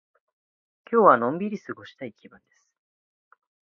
今日はのんびり過ごしたい気分です。